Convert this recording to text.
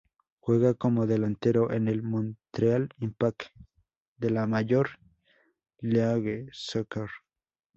Juega como delantero en el Montreal Impact, de la Major League Soccer.